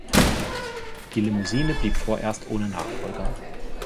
Die Limousine blieb vorerst ohne Nachfolger.